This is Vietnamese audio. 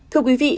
thưa quý vị